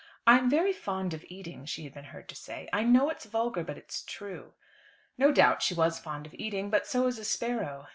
"I'm very fond of eating," she had been heard to say. "I know it's vulgar; but it's true." No doubt she was fond of eating, but so is a sparrow.